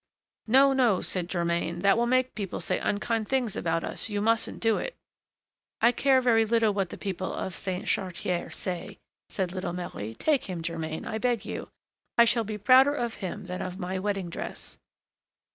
"No, no!" said Germain, "that will make people say unkind things about us! you mustn't do it." "I care very little what the people of Saint Chartier say," said little Marie. "Take him, Germain, I beg you; I shall be prouder of him than of my wedding dress."